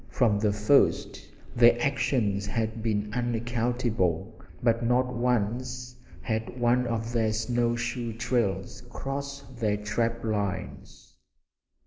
From the first their actions had been unaccountable, but not once had one of their snow shoe trails crossed their trap lines.